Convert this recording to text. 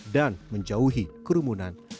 dan menjauhi kerumunan